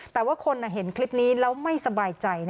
แต่ว่าคนเห็นคลิปนี้แล้วไม่สบายใจ